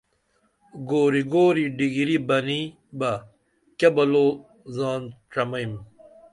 گوری گوری ڈِیگری بنی بہ کیہ بلو زان ڇمئیم